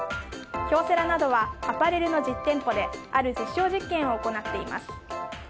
京セラなどはアパレルの実店舗である実証実験を行っています。